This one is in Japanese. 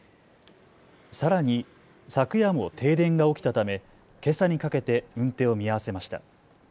さらに昨夜も停電が起きたためけさにかけて運転を見合わせました。